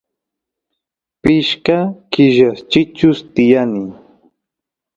pishka killas chichus tiyani